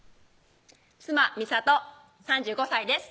妻・実里３５歳です